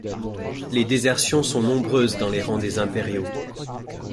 Les désertions sont nombreuses dans les rangs des Impériaux.